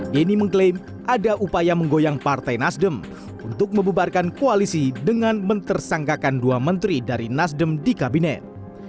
denny mengklaim ada upaya menggoyang partai nasdem untuk membubarkan koalisi dengan mentersangkakan dua menteri dari nasdem di kabinet